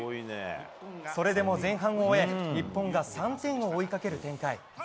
それでも前半を終え日本が３点を追いかける展開。